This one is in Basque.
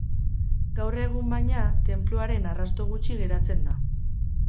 Gaur egun, baina, tenpluaren arrasto gutxi geratzen da.